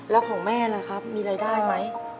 แล้วของแม่ล่ะครับมีรายได้ไหม